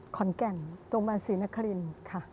ขอนแก่นตรงบานศรีนคริญค่ะ